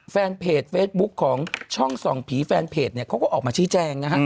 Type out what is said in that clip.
แฟนเพจเฟซบุ๊คของช่องส่องผีแฟนเพจเนี่ยเขาก็ออกมาชี้แจงนะฮะ